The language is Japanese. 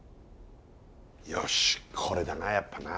よしこれだなやっぱな。